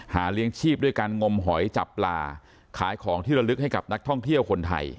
เลี้ยงชีพด้วยการงมหอยจับปลาขายของที่ระลึกให้กับนักท่องเที่ยวคนไทย